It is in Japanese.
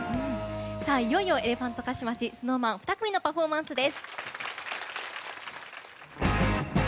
いよいよ、エレファントカシマシ ＳｎｏｗＭａｎ、２組のパフォーマンスです。